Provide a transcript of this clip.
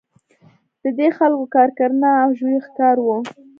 د دې خلکو کار کرنه او ژویو ښکار وو.